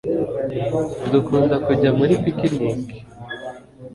Dukunda kujya muri picnike